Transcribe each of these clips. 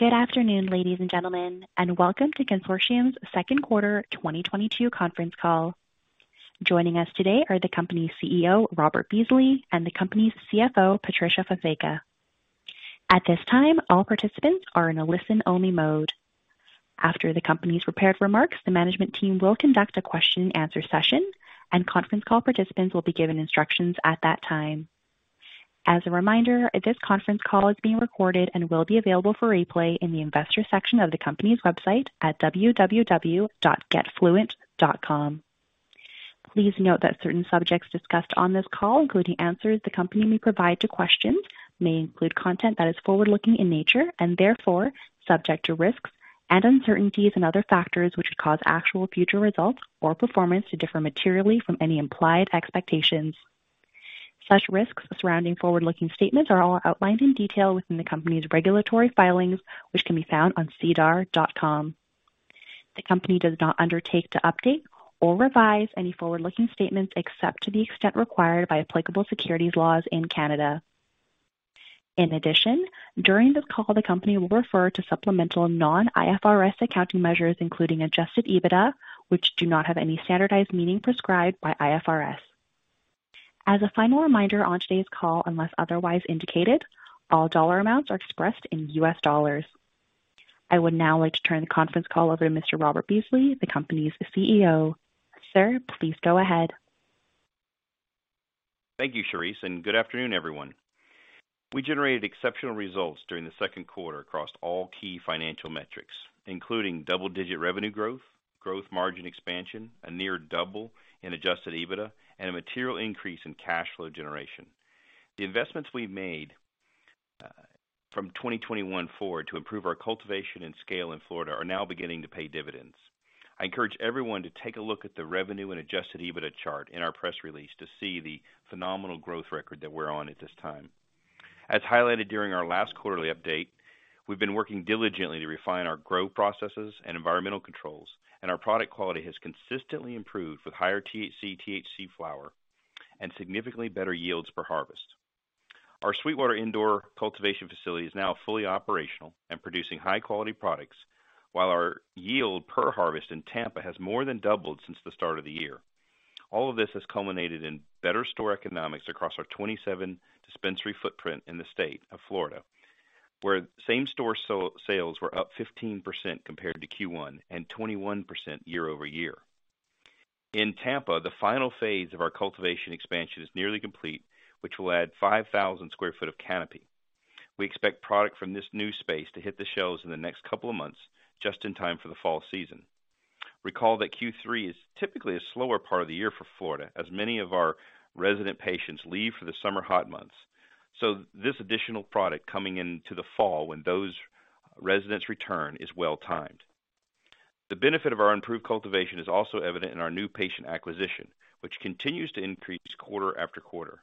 Good afternoon, ladies and gentlemen, and welcome to Fluent's second quarter 2022 conference call. Joining us today are the company's CEO, Robert Beasley, and the company's CFO, Patricia Fonseca. At this time, all participants are in a listen-only mode. After the company's prepared remarks, the management team will conduct a Q&A session, and conference call participants will be given instructions at that time. As a reminder, this conference call is being recorded and will be available for replay in the investors section of the company's website at www.getfluent.com. Please note that certain subjects discussed on this call, including answers the company may provide to questions, may include content that is forward-looking in nature and therefore subject to risks and uncertainties and other factors which could cause actual future results or performance to differ materially from any implied expectations. Such risks surrounding forward-looking statements are all outlined in detail within the company's regulatory filings, which can be found on SEDAR.com. The company does not undertake to update or revise any forward-looking statements, except to the extent required by applicable securities laws in Canada. In addition, during this call, the company will refer to supplemental non-IFRS accounting measures, including Adjusted EBITDA, which do not have any standardized meaning prescribed by IFRS. As a final reminder on today's call, unless otherwise indicated, all dollar amounts are expressed in U.S. dollars. I would now like to turn the conference call over to Mr. Robert Beasley, the company's CEO. Sir, please go ahead. Thank you, Charisse, and good afternoon, everyone. We generated exceptional results during the second quarter across all key financial metrics, including double-digit revenue growth margin expansion, a near double in adjusted EBITDA, and a material increase in cash flow generation. The investments we made from 2021 forward to improve our cultivation and scale in Florida are now beginning to pay dividends. I encourage everyone to take a look at the revenue and adjusted EBITDA chart in our press release to see the phenomenal growth record that we're on at this time. As highlighted during our last quarterly update, we've been working diligently to refine our grow processes and environmental controls and our product quality has consistently improved with higher THC flower and significantly better yields per harvest. Our Sweetwater indoor cultivation facility is now fully operational and producing high-quality products, while our yield per harvest in Tampa has more than doubled since the start of the year. All of this has culminated in better store economics across our 27 dispensary footprint in the state of Florida, where same-store sales were up 15% compared to Q1 and 21% year-over-year. In Tampa, the final phase of our cultivation expansion is nearly complete, which will add 5,000 sq ft of canopy. We expect product from this new space to hit the shelves in the next couple of months, just in time for the fall season. Recall that Q3 is typically a slower part of the year for Florida, as many of our resident patients leave for the summer hot months. This additional product coming into the fall when those residents return is well-timed. The benefit of our improved cultivation is also evident in our new patient acquisition, which continues to increase quarter after quarter.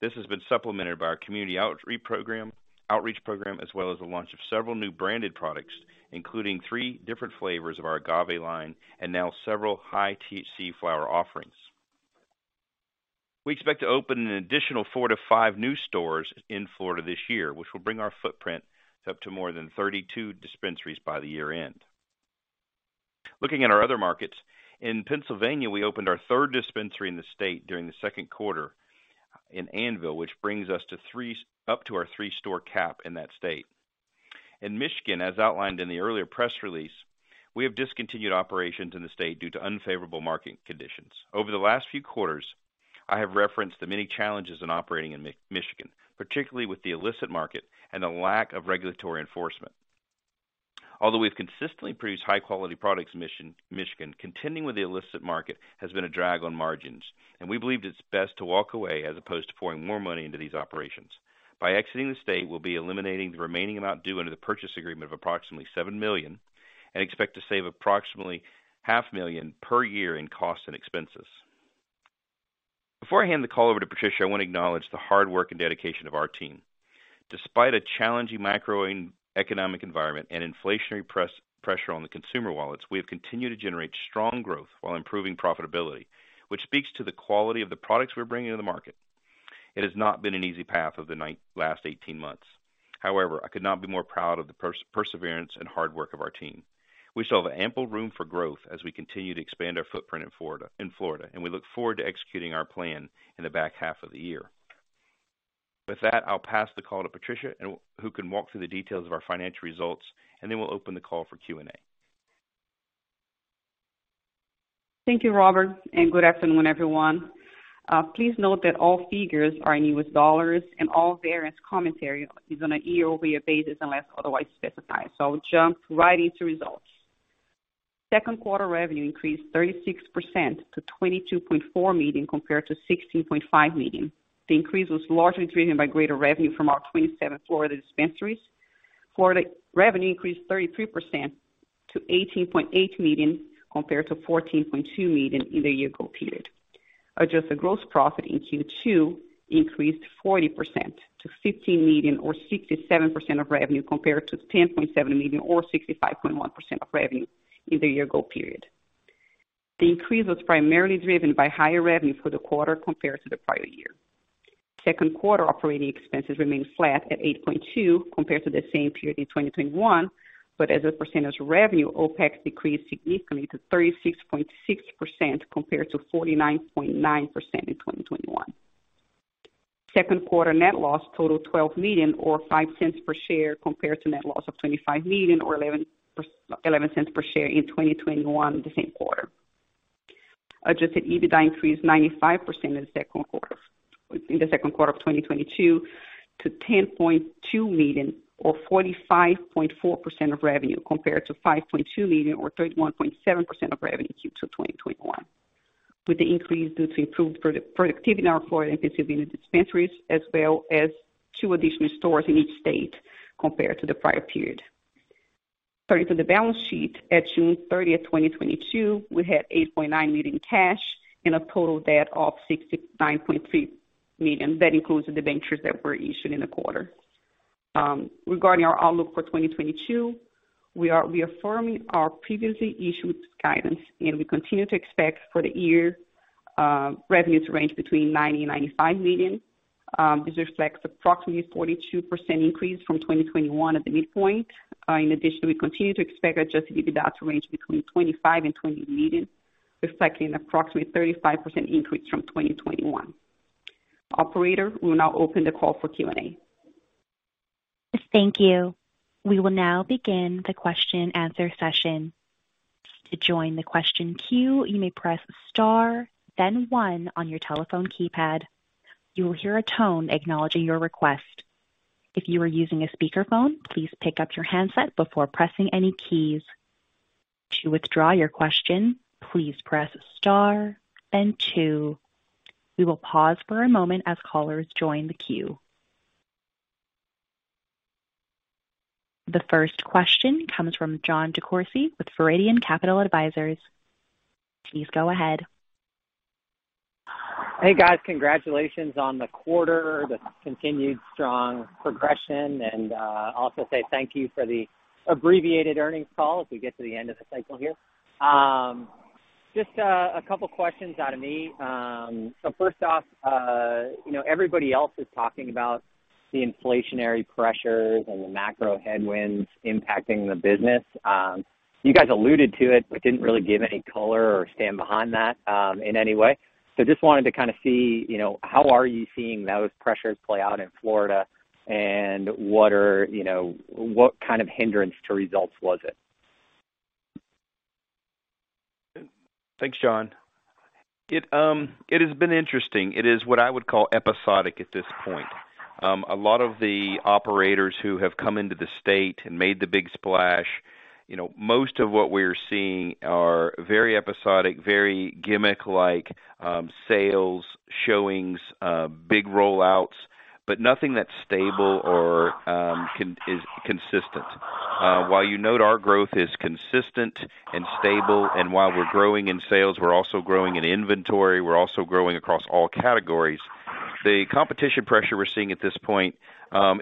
This has been supplemented by our community outreach program, as well as the launch of several new branded products, including three different flavors of our agave line and now several high-THC flower offerings. We expect to open an additional four to five new stores in Florida this year, which will bring our footprint up to more than 32 dispensaries by the year-end. Looking at our other markets, in Pennsylvania, we opened our third dispensary in the state during the second quarter in Annville, which brings us to three up to our 3-store cap in that state. In Michigan, as outlined in the earlier press release, we have discontinued operations in the state due to unfavorable market conditions. Over the last few quarters, I have referenced the many challenges in operating in Michigan, particularly with the illicit market and the lack of regulatory enforcement. Although we've consistently produced high-quality products in Michigan, contending with the illicit market has been a drag on margins and we believed it's best to walk away as opposed to pouring more money into these operations. By exiting the state, we'll be eliminating the remaining amount due under the purchase agreement of approximately $7 million and expect to save approximately half million per year in costs and expenses. Before I hand the call over to Patricia, I want to acknowledge the hard work and dedication of our team. Despite a challenging macroeconomic environment and inflationary pressure on the consumer wallets, we have continued to generate strong growth while improving profitability, which speaks to the quality of the products we're bringing to the market. It has not been an easy path over the last 18 months. However, I could not be more proud of the perseverance and hard work of our team. We still have ample room for growth as we continue to expand our footprint in Florida and we look forward to executing our plan in the back half of the year. With that, I'll pass the call to Patricia, who can walk through the details of our financial results, and then we'll open the call for Q&A. Thank you, Robert, and good afternoon, everyone. Please note that all figures are in US dollars and all variance commentary is on a year-over-year basis unless otherwise specified. I'll jump right into results. Second quarter revenue increased 36% to $22.4 million compared to $16.5 million. The increase was largely driven by greater revenue from our 27 Florida dispensaries. Florida revenue increased 33% to $18.8 million compared to $14.2 million in the year-ago period. Adjusted Gross Profit in Q2 increased 40% to $15 million or 67% of revenue, compared to $10.7 million or 65.1% of revenue in the year-ago period. The increase was primarily driven by higher revenue for the quarter compared to the prior year. Second quarter operating expenses remained flat at $8.2 compared to the same period in 2021. As a percentage of revenue, OpEx decreased significantly to 36.6% compared to 49.9% in 2021. Second quarter net loss totaled $12 million or $0.05 per share compared to net loss of $25 million or $0.11 per share in 2021, the same quarter. Adjusted EBITDA increased 95% in the second quarter of 2022 to $10.2 million or 45.4% of revenue, compared to $5.2 million or 31.7% of revenue Q2 2021. With the increase due to improved productivity in our Florida and Pennsylvania dispensaries as well as two additional stores in each state compared to the prior period. Turning to the balance sheet, at June 30th, 2022, we had $8.9 million cash and a total debt of $69.3 million. That includes the convertibles that were issued in the quarter. Regarding our outlook for 2022, we are reaffirming our previously issued guidance and we continue to expect for the year revenue to range between $90-$95 million. This reflects approximately 42% increase from 2021 at the midpoint. In addition, we continue to expect adjusted EBITDA to range between 25 and 30 million, reflecting approximately 35% increase from 2021. Operator, we will now open the call for Q&A. Thank you. We will now begin the question-answer session. To join the question queue, you may press star then one on your telephone keypad. You will hear a tone acknowledging your request. If you are using a speakerphone, please pick up your handset before pressing any keys. To withdraw your question, please press star and two. We will pause for a moment as callers join the queue. The first question comes from Jon DeCourcey with Viridian Capital Advisors. Please go ahead. Hey, guys. Congratulations on the quarter, the continued strong progression and also say thank you for the abbreviated earnings call as we get to the end of the cycle here. Just a couple questions out of me. First off, you know, everybody else is talking about the inflationary pressures and the macro headwinds impacting the business. You guys alluded to it, but didn't really give any color or stand behind that, in any way. Just wanted to kind of see, you know, how are you seeing those pressures play out in Florida and what are, you know, what kind of hindrance to results was it? Thanks, Jon. It has been interesting. It is what I would call episodic at this point. A lot of the operators who have come into the state and made the big splash, you know, most of what we're seeing are very episodic, very gimmick-like sales, showings, big rollouts, but nothing that's stable or is consistent. While you note our growth is consistent and stable, and while we're growing in sales, we're also growing in inventory, we're also growing across all categories. The competition pressure we're seeing at this point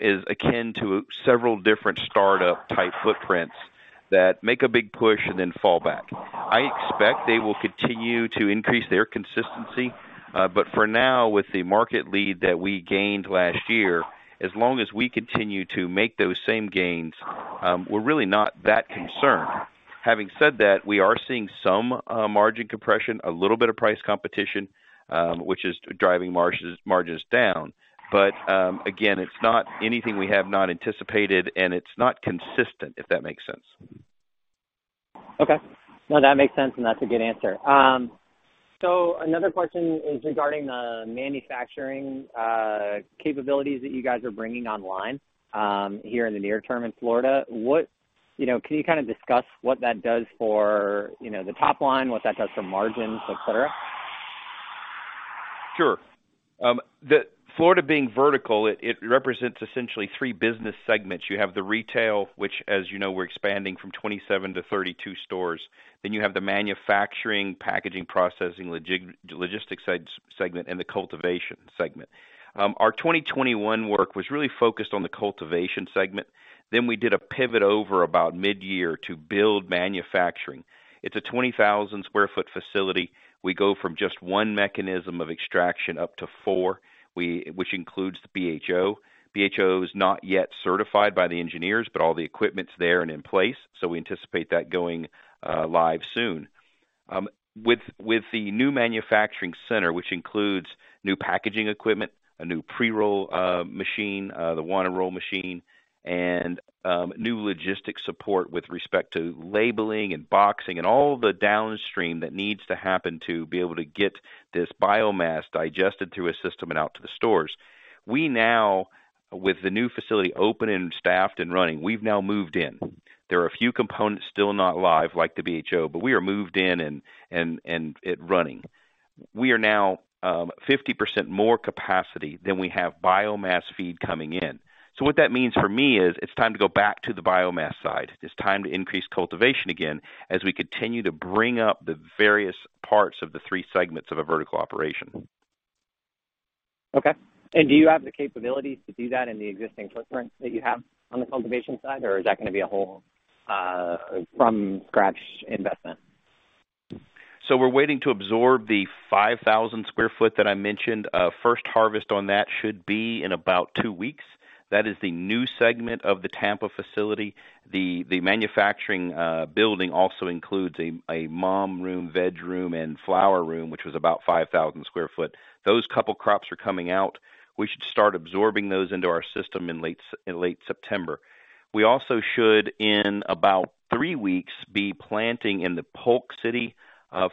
is akin to several different startup-type footprints that make a big push and then fall back. I expect they will continue to increase their consistency. For now, with the market lead that we gained last year, as long as we continue to make those same gains, we're really not that concerned. Having said that, we are seeing some margin compression, a little bit of price competition, which is driving margins down. Again, it's not anything we have not anticipated, and it's not consistent, if that makes sense. Okay. No, that makes sense and that's a good answer. Another question is regarding the manufacturing capabilities that you guys are bringing online here in the near term in Florida. What, you know, can you kind of discuss what that does for, you know, the top line, what that does for margins, et cetera? Sure. Fluent being vertical, it represents essentially three business segments. You have the retail, which as you know, we're expanding from 27 to 32 stores. You have the manufacturing, packaging, processing, logistics side segment and the cultivation segment. Our 2021 work was really focused on the cultivation segment. We did a pivot over about mid-year to build manufacturing. It's a 20,000 sq ft facility. We go from just one mechanism of extraction up to four, which includes the BHO. BHO is not yet certified by the engineers, but all the equipment's there and in place, so we anticipate that going live soon. With the new manufacturing center, which includes new packaging equipment, a new pre-roll machine, and new logistics support with respect to labeling and boxing and all the downstream that needs to happen to be able to get this biomass digested through a system and out to the stores. With the new facility open and staffed and running, we've moved in. There are a few components still not live, like the BHO, but we are moved in and it's running. We are now 50% more capacity than we have biomass feed coming in. What that means for me is it's time to go back to the biomass side. It's time to increase cultivation again as we continue to bring up the various parts of the three segments of a vertical operation. Okay. Do you have the capability to do that in the existing footprint that you have on the cultivation side? Or is that going to be a whole from scratch investment? We're waiting to absorb the 5,000 sq ft that I mentioned. First harvest on that should be in about two weeks. That is the new segment of the Tampa facility. The manufacturing building also includes a mom room, veg room, and flower room, which was about 5,000 sq ft. Those couple crops are coming out. We should start absorbing those into our system in late September. We also should, in about three weeks, be planting in the Polk City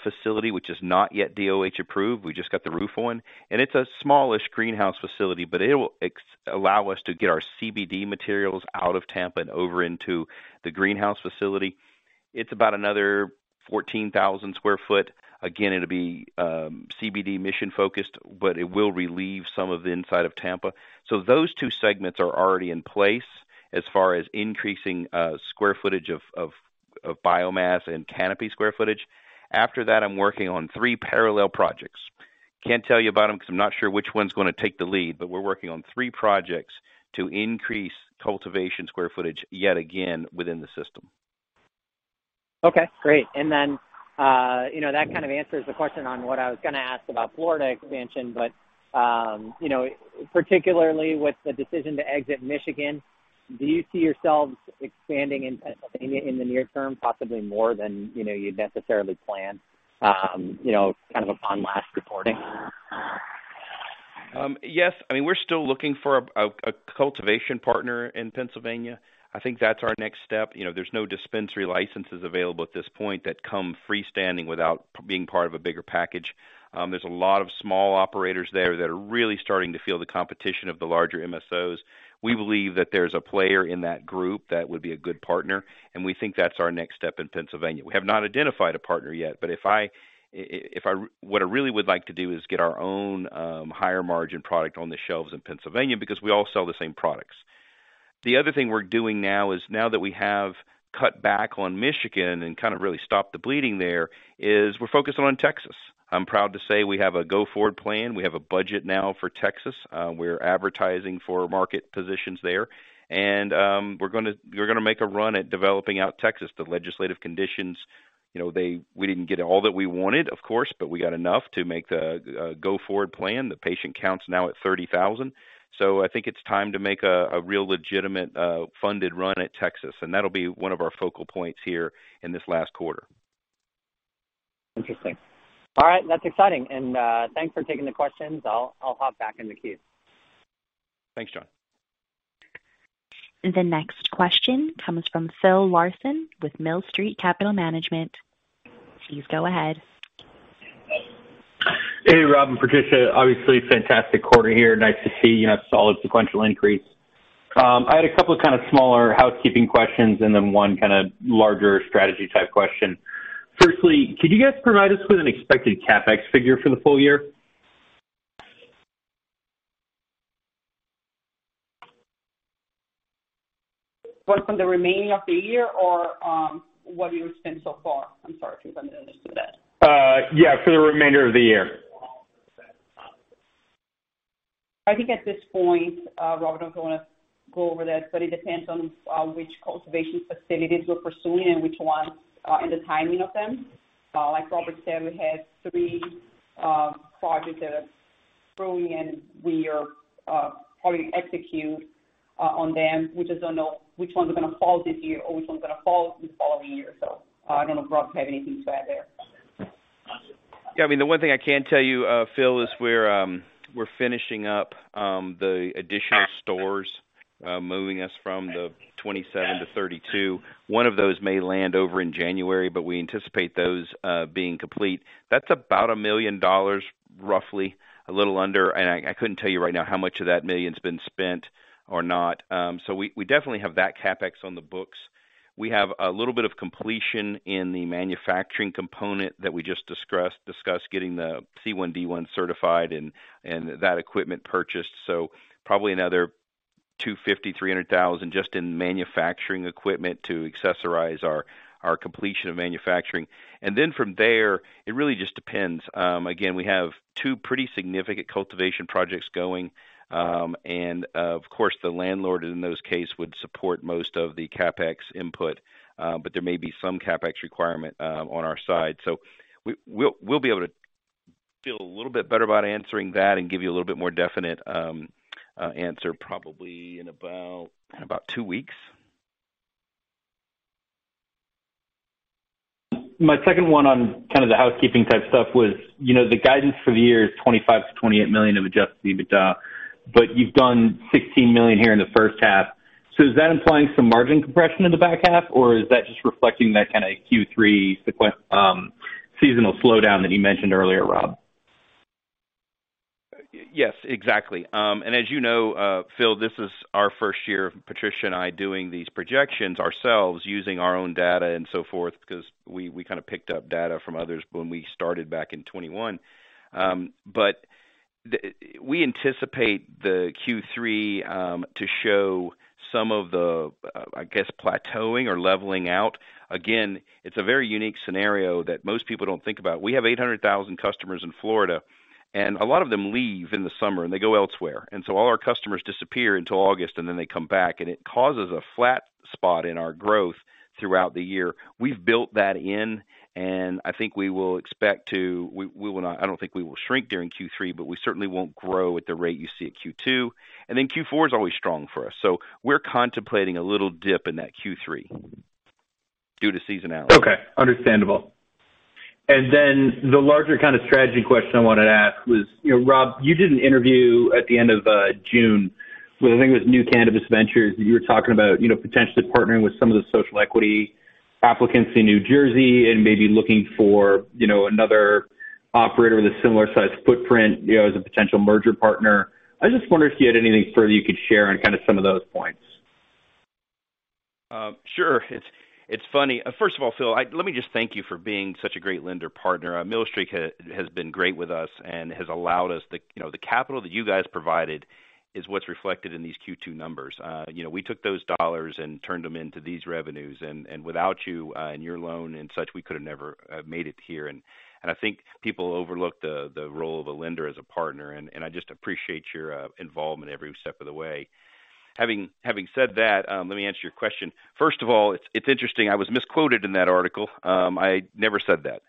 facility, which is not yet DOH approved. We just got the roof on. It's a smallish greenhouse facility, but it will allow us to get our CBD materials out of Tampa and over into the greenhouse facility. It's about another 14,000 sq ft. Again, it'll be CBD mission-focused but it will relieve some of the inside of Tampa. Those two segments are already in place as far as increasing square footage of biomass and canopy square footage. After that, I'm working on three parallel projects. Can't tell you about them because I'm not sure which one's gonna take the lead but we're working on three projects to increase cultivation square footage yet again within the system. Okay, great. You know, that kind of answers the question on what I was going to ask about Florida expansion. You know, particularly with the decision to exit Michigan, do you see yourselves expanding in Pennsylvania in the near term, possibly more than, you know, you'd necessarily planned? You know, kind of upon last reporting. Yes. I mean, we're still looking for a cultivation partner in Pennsylvania. I think that's our next step. You know, there's no dispensary licenses available at this point that come freestanding without being part of a bigger package. There's a lot of small operators there that are really starting to feel the competition of the larger MSOs. We believe that there's a player in that group that would be a good partner and we think that's our next step in Pennsylvania. We have not identified a partner yet but what I really would like to do is get our own higher margin product on the shelves in Pennsylvania because we all sell the same products. The other thing we're doing now is now that we have cut back on Michigan and kind of really stopped the bleeding there, is we're focusing on Texas. I'm proud to say we have a go-forward plan. We have a budget now for Texas. We're advertising for market positions there. We're gonna make a run at developing out Texas. The legislative conditions, you know, we didn't get all that we wanted, of course, but we got enough to make the go-forward plan. The patient count's now at 30,000. I think it's time to make a real legitimate funded run at Texas and that'll be one of our focal points here in this last quarter. Interesting. All right, that's exciting. Thanks for taking the questions. I'll hop back in the queue. Thanks, Jon. The next question comes from Phill Larson with Millstreet Capital Management. Please go ahead. Hey, Rob and Patricia. Obviously fantastic quarter here. Nice to see, you know, solid sequential increase. I had a couple of kind of smaller housekeeping questions and then one kind of larger strategy type question. Firstly, could you guys provide us with an expected CapEx figure for the full year? For the remainder of the year or what you spent so far? I'm sorry, Phill, I didn't understand that. Yeah, for the remainder of the year. I think at this point, Robert is going to go over that but it depends on which cultivation facilities we're pursuing and which ones, and the timing of them. Like Robert said, we have three projects that are growing and we are probably execute on them. We just don't know which ones are gonna fall this year or which one's gonna fall the following year. I don't know, Rob, if you have anything to add there. Yeah. I mean, the one thing I can tell you Phill, is we're finishing up the additional stores, moving us from 27 to 32. One of those may land over in January but we anticipate those being complete. That's about $1 million, roughly a little under. I couldn't tell you right now how much of that million's been spent or not. We definitely have that CapEx on the books. We have a little bit of completion in the manufacturing component that we just discussed getting the C1D1 certified and that equipment purchased. So probably another $250,000-$300,000 just in manufacturing equipment to accessorize our completion of manufacturing. From there, it really just depends. Again, we have two pretty significant cultivation projects going. Of course, the landlord in those cases would support most of the CapEx input but there may be some CapEx requirement on our side. We'll be able to feel a little bit better about answering that and give you a little bit more definite answer probably in about two weeks. My second one on kind of the housekeeping type stuff was, you know, the guidance for the year is $25 million-$28 million of Adjusted EBITDA, but you've done $16 million here in the first half. Is that implying some margin compression in the back half or is that just reflecting that kind of Q3 seasonal slowdown that you mentioned earlier, Rob? Yes, exactly. As you know, Phill, this is our first year of Patricia and I doing these projections ourselves using our own data and so forth because we kind of picked up data from others when we started back in 2021. We anticipate the Q3 to show some of the, I guess, plateauing or leveling out. Again, it's a very unique scenario that most people don't think about. We have 800,000 customers in Florida. A lot of them leave in the summer and they go elsewhere. All our customers disappear until August and then they come back, and it causes a flat spot in our growth throughout the year. We've built that in and I think we will expect to. We will not. I don't think we will shrink during Q3, but we certainly won't grow at the rate you see at Q2. Then Q4 is always strong for us. We're contemplating a little dip in that Q3 due to seasonality. Okay. Understandable. The larger kind of strategy question I wanted to ask was, you know, Rob, you did an interview at the end of June with, I think it was New Cannabis Ventures. You were talking about, you know, potentially partnering with some of the social equity applicants in New Jersey and maybe looking for, you know, another operator with a similar sized footprint, you know, as a potential merger partner. I just wondered if you had anything further you could share on kind of some of those points. Sure. It's funny. First of all, Phill, let me just thank you for being such a great lender partner. Millstreet Capital has been great with us and has allowed us the, you know, the capital that you guys provided is what's reflected in these Q2 numbers. You know, we took those dollars and turned them into these revenues. I think people overlook the role of a lender as a partner and I just appreciate your involvement every step of the way. Having said that, let me answer your question. First of all, it's interesting, I was misquoted in that article. I never said that.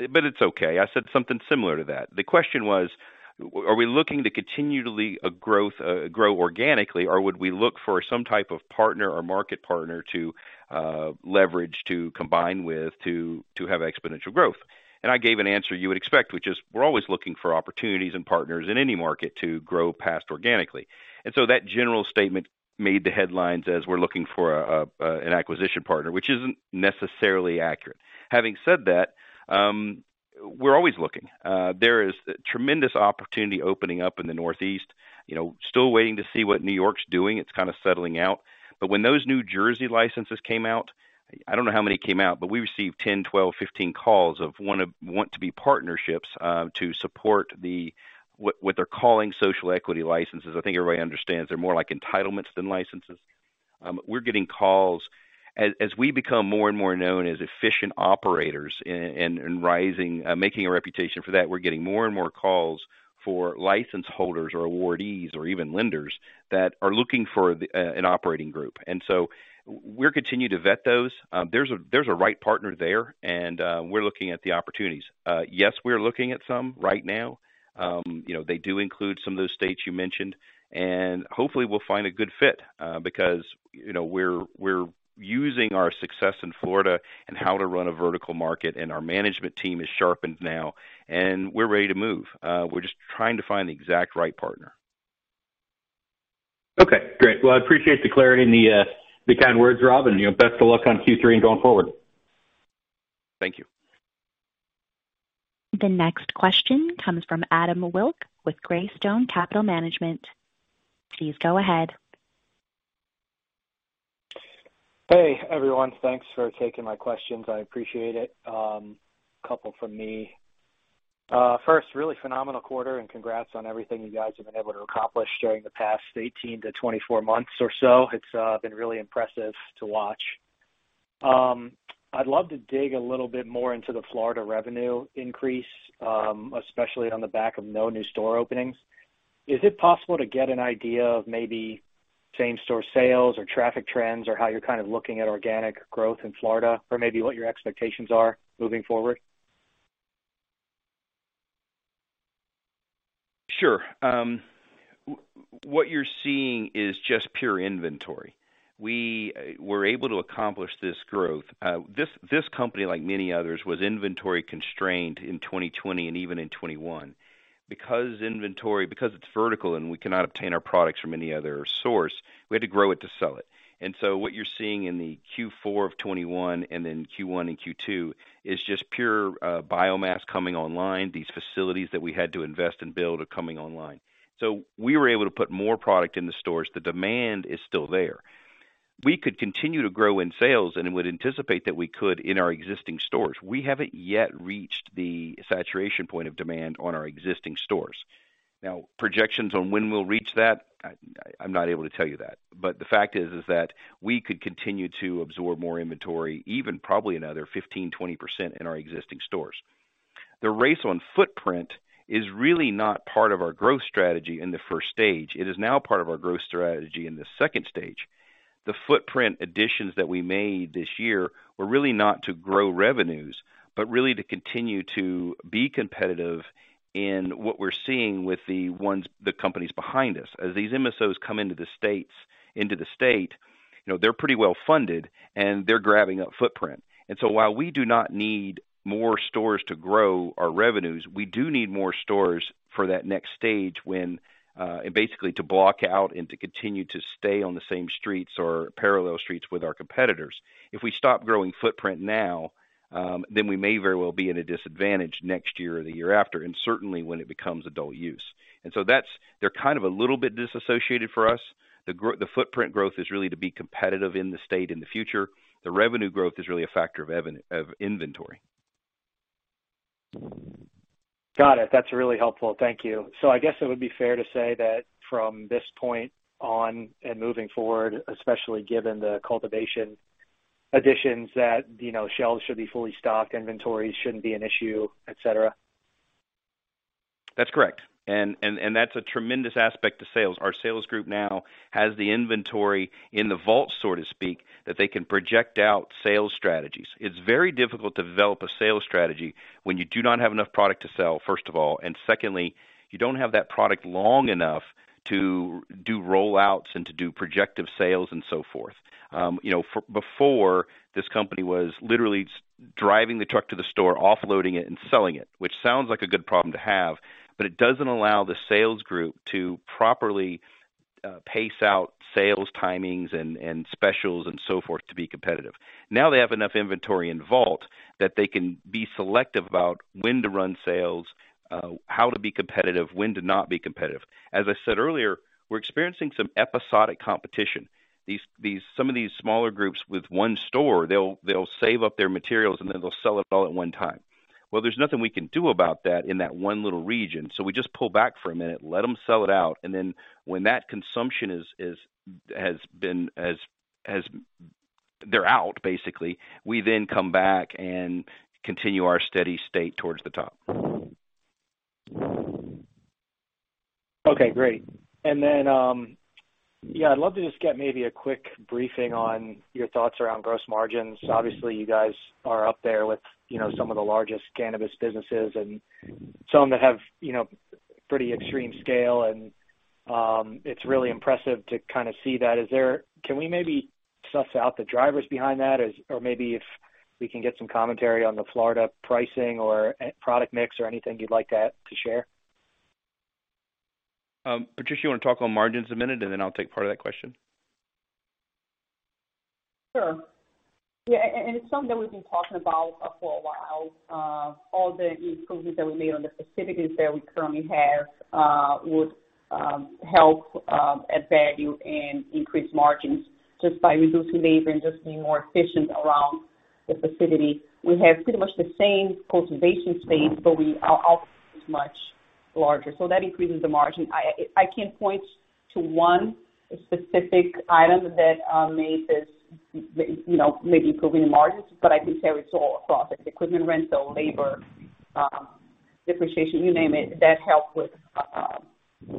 It's okay. I said something similar to that. The question was, are we looking to continually grow organically or would we look for some type of partner or market partner to leverage, to combine with to have exponential growth? I gave an answer you would expect, which is we're always looking for opportunities and partners in any market to grow past organically. That general statement made the headlines as we're looking for an acquisition partner, which isn't necessarily accurate. Having said that, we're always looking. There is tremendous opportunity opening up in the Northeast, you know, still waiting to see what New York's doing. It's kind of settling out. When those New Jersey licenses came out, I don't know how many came out, but we received 10, 12, 15 calls of want to be partnerships to support what they're calling social equity licenses. I think everybody understands they're more like entitlements than licenses. We're getting calls. As we become more and more known as efficient operators and rising, making a reputation for that, we're getting more and more calls for license holders or awardees or even lenders that are looking for an operating group. And so we'll continue to vet those. There's a right partner there and we're looking at the opportunities. Yes, we're looking at some right now. You know, they do include some of those states you mentioned. Hopefully we'll find a good fit because, you know, we're using our success in Florida and how to run a vertical market, and our management team is sharpened now, and we're ready to move. We're just trying to find the exact right partner. Okay, great. Well, I appreciate the clarity and the kind words Rob and, you know, best of luck on Q3 and going forward. Thank you. The next question comes from Adam Wilk with Greystone Capital Management. Please go ahead. Hey, everyone. Thanks for taking my questions. I appreciate it. A couple from me. First, really phenomenal quarter, and congrats on everything you guys have been able to accomplish during the past 18-24 months or so. It's been really impressive to watch. I'd love to dig a little bit more into the Florida revenue increase, especially on the back of no new store openings. Is it possible to get an idea of maybe same store sales or traffic trends or how you're kind of looking at organic growth in Florida or maybe what your expectations are moving forward? Sure. What you're seeing is just pure inventory. We were able to accomplish this growth. This company, like many others, was inventory constrained in 2020 and even in 2021. Because inventory, because it's vertical and we cannot obtain our products from any other source, we had to grow it to sell it. What you're seeing in the Q4 of 2021 and then Q1 and Q2 is just pure biomass coming online. These facilities that we had to invest and build are coming online. We were able to put more product in the stores. The demand is still there. We could continue to grow in sales, and it would anticipate that we could in our existing stores. We haven't yet reached the saturation point of demand on our existing stores. Now, projections on when we'll reach that I'm not able to tell you that. The fact is that we could continue to absorb more inventory, even probably another 15%-20% in our existing stores. The race on footprint is really not part of our growth strategy in the first stage. It is now part of our growth strategy in the second stage. The footprint additions that we made this year were really not to grow revenues but really to continue to be competitive in what we're seeing with the ones, the companies behind us. As these MSOs come into the state, you know, they're pretty well funded, and they're grabbing up footprint. While we do not need more stores to grow our revenues, we do need more stores for that next stage when, and basically to block out and to continue to stay on the same streets or parallel streets with our competitors. If we stop growing footprint now, then we may very well be at a disadvantage next year or the year after, and certainly when it becomes adult use. That's, they're kind of a little bit disassociated for us. The footprint growth is really to be competitive in the state in the future. The revenue growth is really a factor of inventory. Got it. That's really helpful. Thank you. I guess it would be fair to say that from this point on and moving forward, especially given the cultivation additions that, you know, shelves should be fully stocked, inventories shouldn't be an issue, et cetera. That's correct. That's a tremendous aspect to sales. Our sales group now has the inventory in the vault, so to speak, that they can project out sales strategies. It's very difficult to develop a sales strategy when you do not have enough product to sell, first of all, and secondly, you don't have that product long enough to do rollouts and to do projective sales and so forth. You know, before, this company was literally driving the truck to the store, offloading it, and selling it, which sounds like a good problem to have, but it doesn't allow the sales group to properly pace out sales timings and specials and so forth to be competitive. Now they have enough inventory in vault that they can be selective about when to run sales, how to be competitive, when to not be competitive. As I said earlier, we're experiencing some episodic competition. Some of these smaller groups with one store, they'll save up their materials and then they'll sell it all at one time. Well, there's nothing we can do about that in that one little region, so we just pull back for a minute, let them sell it out, and then when that consumption has been as they're out, basically, we then come back and continue our steady state towards the top. Okay, great. I'd love to just get maybe a quick briefing on your thoughts around gross margins. Obviously, you guys are up there with, you know, some of the largest cannabis businesses and some that have, you know, pretty extreme scale, and it's really impressive to kind of see that. Can we maybe suss out the drivers behind that? Or maybe if we can get some commentary on the Florida pricing or product mix or anything you'd like to share. Patricia, you want to talk on margins a minute, and then I'll take part of that question. Sure. Yeah, it's something that we've been talking about for a while. All the improvements that we made on the facilities that we currently have would help add value and increase margins just by reducing labor and just being more efficient around the facility. We have pretty much the same cultivation space but our output is much larger, so that increases the margin. I can't point to one specific item that made this, you know, maybe improving the margins, but I can say it's all across it. Equipment rental, labor, depreciation, you name it, that helped with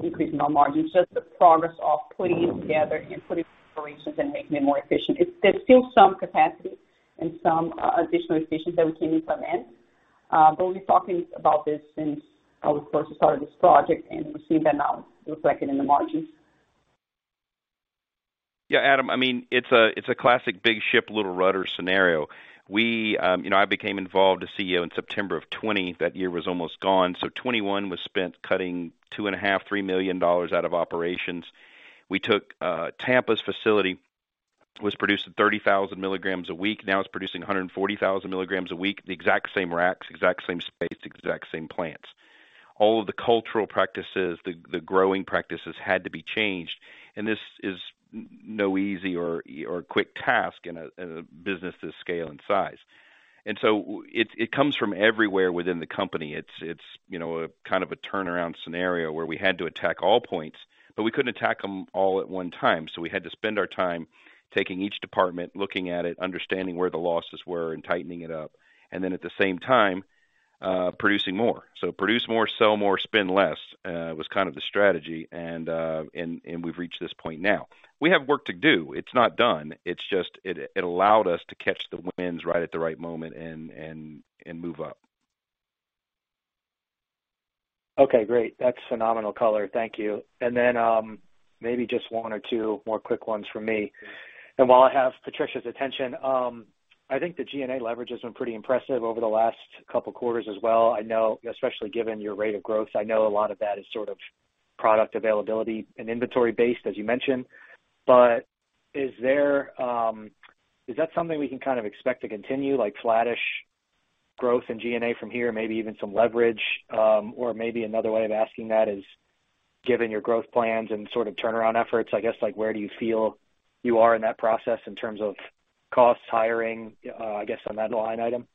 increasing our margins. Just the progress of putting it together and putting operations and making it more efficient. It's still some capacity and some additional efficiency that we can implement. We're talking about this since, of course, we started this project and we're seeing that now reflected in the margins. Yeah, Adam, I mean, it's a classic big ship, little rudder scenario. You know, I became involved as CEO in September of 2020. That year was almost gone. 2021 was spent cutting $2.5-$3 million out of operations. Tampa's facility was producing 30,000 mg a week. Now it's producing 140,000 mg a week, the exact same racks, exact same space, exact same plants. All of the cultural practices, the growing practices had to be changed. This is no easy or quick task in a business this scale and size. It comes from everywhere within the company. It's, you know, a kind of a turnaround scenario where we had to attack all points, but we couldn't attack them all at one time. We had to spend our time taking each department, looking at it, understanding where the losses were and tightening it up, and then at the same time, producing more. Produce more, sell more, spend less, was kind of the strategy. We've reached this point now. We have work to do. It's not done. It's just, it allowed us to catch the winds right at the right moment and move up. Okay, great. That's phenomenal color. Thank you. Then, maybe just one or two more quick ones from me. While I have Patricia's attention, I think the G&A leverage has been pretty impressive over the last couple quarters as well. I know, especially given your rate of growth, I know a lot of that is sort of product availability and inventory based, as you mentioned. Is there, is that something we can kind of expect to continue, like flattish growth in G&A from here, maybe even some leverage? Maybe another way of asking that is, given your growth plans and sort of turnaround efforts, I guess like where do you feel you are in that process in terms of costs hiring, I guess on that line item?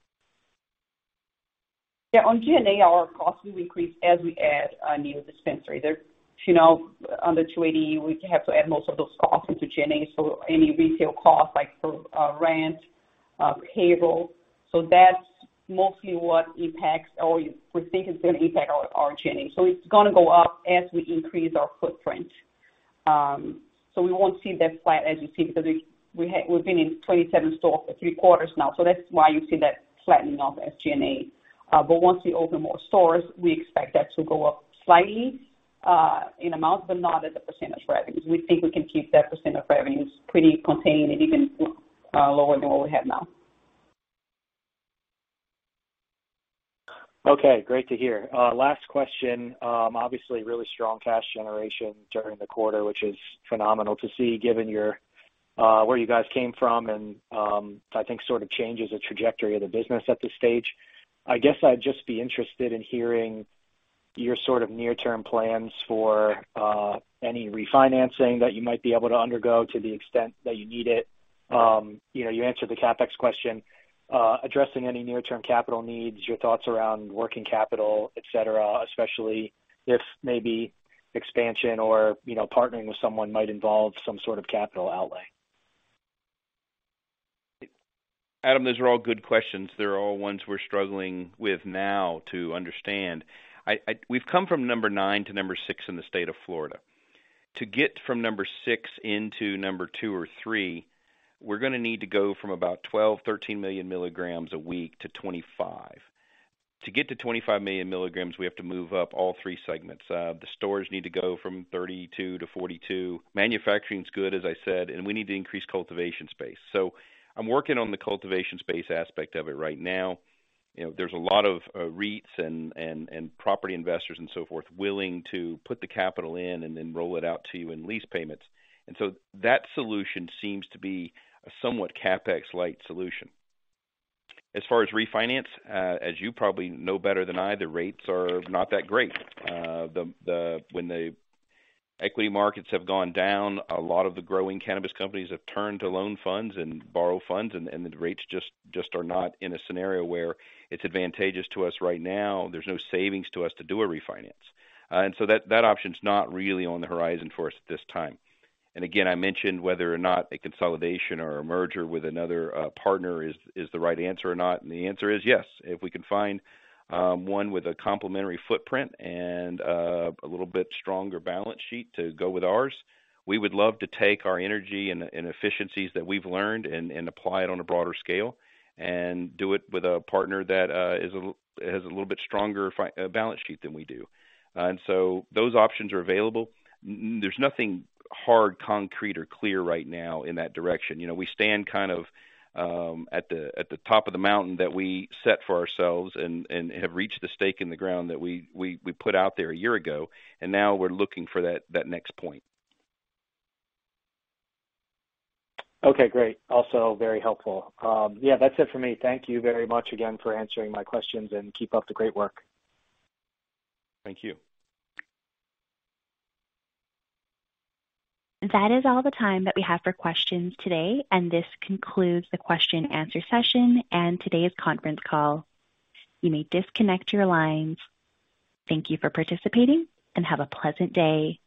Yeah. On G&A, our costs will increase as we add a new dispensary. There, you know, under ASC 280, we have to add most of those costs into G&A, so any retail cost, like for, rent, payroll. That's mostly what impacts or we think is going to impact our G&A. It's gonna go up as we increase our footprint. We won't see that flat as you see, because we've been in 27 stores for three quarters now. That's why you see that flattening of G&A. Once we open more stores, we expect that to go up slightly, in amount, but not as a percentage of revenues. We think we can keep that percent of revenues pretty contained and even, lower than what we have now. Okay, great to hear. Last question. Obviously, really strong cash generation during the quarter, which is phenomenal to see given where you guys came from and I think sort of changes the trajectory of the business at this stage. I guess I'd just be interested in hearing your sort of near-term plans for any refinancing that you might be able to undergo to the extent that you need it. You know, you answered the CapEx question. Addressing any near-term capital needs, your thoughts around working capital, et cetera, especially if maybe expansion or, you know, partnering with someone might involve some sort of capital outlay. Adam, those are all good questions. They're all ones we're struggling with now to understand. We've come from number nine to number six in the state of Florida. To get from number six into number two or three, we're gonna need to go from about 12-13 million mg a week to 25. To get to 25 million mg, we have to move up all three segments. The stores need to go from 32 to 42. Manufacturing's good, as I said, and we need to increase cultivation space. I'm working on the cultivation space aspect of it right now. You know, there's a lot of REITs and property investors and so forth, willing to put the capital in and then roll it out to you in lease payments. That solution seems to be a somewhat CapEx-light solution. As far as refinance, as you probably know better than I, the rates are not that great. When the equity markets have gone down, a lot of the growing cannabis companies have turned to loan funds and borrow funds, and the rates just are not in a scenario where it's advantageous to us right now. There's no savings to us to do a refinance. And so that option's not really on the horizon for us at this time. Again, I mentioned whether or not a consolidation or a merger with another partner is the right answer or not, and the answer is yes. If we can find one with a complementary footprint and a little bit stronger balance sheet to go with ours, we would love to take our energy and efficiencies that we've learned and apply it on a broader scale and do it with a partner that has a little bit stronger balance sheet than we do. Those options are available. There's nothing hard, concrete or clear right now in that direction. You know, we stand kind of at the top of the mountain that we set for ourselves and have reached the stake in the ground that we put out there a year ago, and now we're looking for that next point. Okay, great. Also very helpful. Yeah, that's it for me. Thank you very much again for answering my questions, and keep up the great work. Thank you. That is all the time that we have for questions today, and this concludes the question and answer session and today's conference call. You may disconnect your lines. Thank you for participating and have a pleasant day.